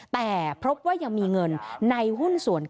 แต่พบว่ายังมีเงินในหุ้นส่วน๙